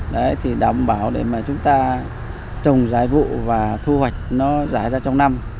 đấy thì đảm bảo để mà chúng ta trồng giải vụ và thu hoạch nó giải ra trong năm